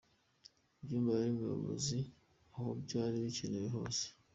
Inyumba yari umuyobozi aho byari bikenewe hose